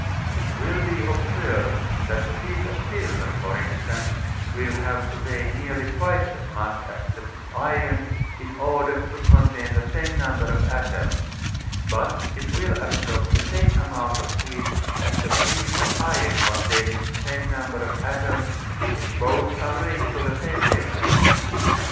It will be observed that the piece of silver, for instance, will have to weigh nearly twice as much as the iron in order to contain the same number of atoms, but it will absorb the same amount of heat as the piece of iron containing the same number of atoms, if both are raised to the same temperature.